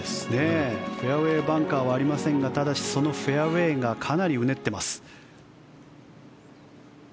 フェアウェーバンカーはありませんがただし、そのフェアウェーがかなりうねってます。